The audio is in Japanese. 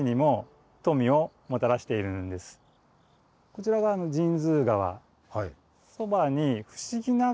こちらが神通川。